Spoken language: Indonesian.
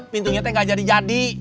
pintunya gak jadi jadi